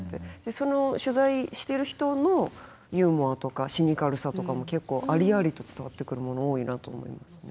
その取材してる人のユーモアとかシニカルさとかも結構ありありと伝わってくるもの多いなと思いますね。